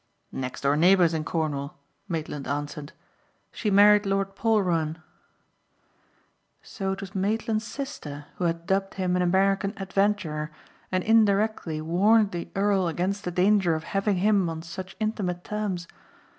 "Next door neighbours in Cornwall," Maitland answered. "She married Lord Polruan." So it was Maitland's sister who had dubbed him an American adventurer and indirectly warned the earl against the danger of having him on such intimate terms!